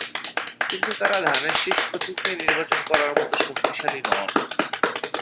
কিন্তু তাঁরা ধানের শীষ প্রতীক নিয়ে নির্বাচন করার মতো শক্তিশালী নন।